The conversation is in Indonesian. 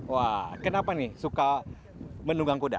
wah kenapa nih suka menunggang kuda